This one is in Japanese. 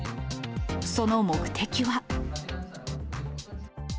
その目的は。